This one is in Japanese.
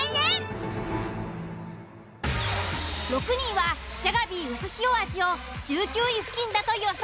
６人はＪａｇａｂｅｅうすしお味を１９位付近だと予想。